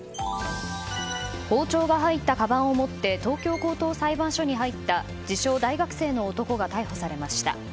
包丁が入ったかばんを持って東京高等裁判所に入った自称・大学生の男が逮捕されました。